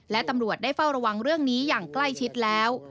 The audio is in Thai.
และตำรวจได้เฝ้าระวังเรื่องนี้อย่างใกล้ชิดแล้ว